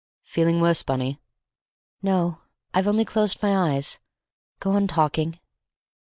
Feeling worse, Bunny?" "No, I've only closed my eyes. Go on talking."